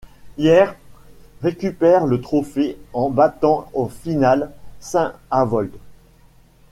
Hyères récupère le trophée en battant en finale Saint-Avold.